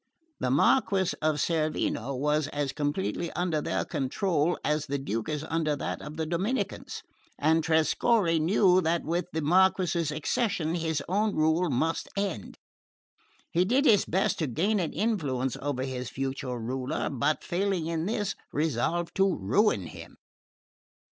The Marquess of Cerveno was as completely under their control as the Duke is under that of the Dominicans, and Trescorre knew that with the Marquess's accession his own rule must end. He did his best to gain an influence over his future ruler, but failing in this resolved to ruin him.